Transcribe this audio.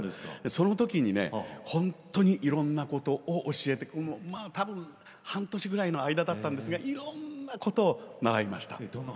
そのときに本当にいろんなことを教えていただいてたぶん半年ぐらいの間だったんですがいろんなことを学びました。